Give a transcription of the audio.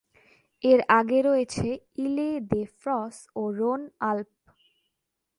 এর আগে রয়েছে ইলে-দে-ফ্রঁস ও রোন-আল্প।